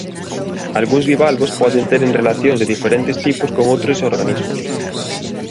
Algúns bivalvos poden teren relacións dse diferentes tipos con outros organismos.